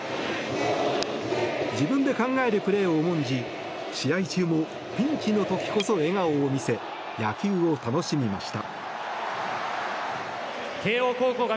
自分で考えるプレーを重んじ試合中もピンチの時こそ笑顔を見せ野球を楽しみました。